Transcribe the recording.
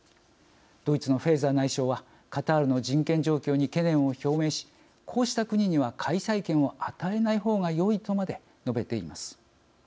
ドイツのフェーザー内相はカタールの人権状況に懸念を表明し「こうした国には開催権を与えない方がよい」とまで述べています。